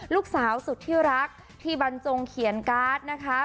ลูกสาวสุดที่รักที่บรรจงเขียนการ์ดนะคะ